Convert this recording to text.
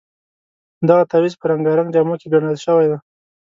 دغه تعویض په رنګارنګ جامو کې ګنډل شوی دی.